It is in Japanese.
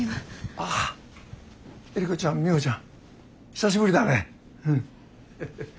あぁエリコちゃんミホちゃん久しぶりだね。